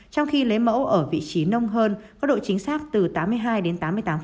trong khi lấy mẫu ở vị trí nông hơn có độ chính xác từ tám mươi hai đến tám mươi tám